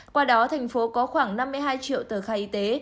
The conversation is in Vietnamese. qua đó thành phố có khoảng năm mươi hai triệu tờ khai y tế